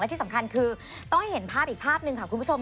ที่สำคัญคือต้องเห็นภาพอีกภาพหนึ่งค่ะคุณผู้ชม